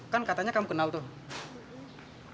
kan katanya kamu kenal tuh